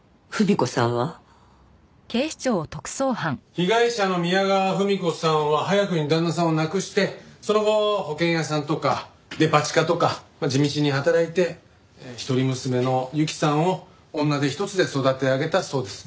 被害者の宮川文子さんは早くに旦那さんを亡くしてその後保険屋さんとかデパ地下とか地道に働いて一人娘の雪さんを女手一つで育て上げたそうです。